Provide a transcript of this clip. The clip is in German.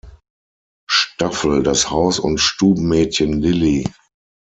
Staffel das Haus- und Stubenmädchen Lily.